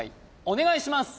お願いします